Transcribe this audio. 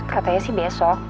katanya sih besok